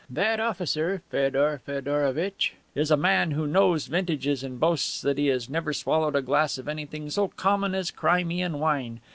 That officer, Feodor Feodorovitch, is a man who knows vintages and boasts that he has never swallowed a glass of anything so common as Crimean wine.